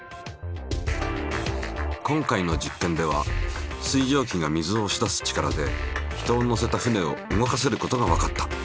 今回の実験では水蒸気が水をおし出す力で人を乗せた船を動かせることがわかった。